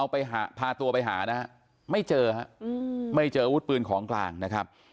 ไปหาพาตัวไปหานะฮะไม่เจอฮะไม่เจออาวุธปืนของกลางนะครับ